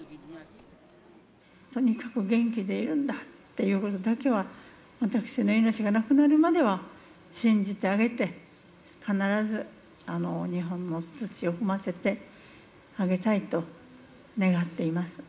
とにかく元気でいるんだということだけは、私の命がなくなるまでは信じてあげて、必ず日本の土を踏ませてあげたいと願っています。